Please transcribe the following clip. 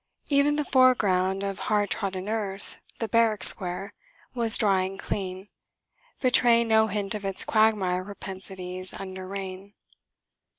Even the foreground of hard trodden earth the barrack square was dry and clean, betraying no hint of its quagmire propensities under rain.